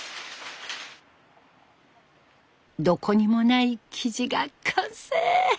どこにもない生地が完成。